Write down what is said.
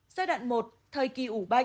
giai đoạn một thời kỳ ủ bệnh